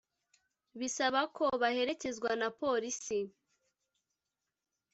bisaba ko baherekezwa na polisi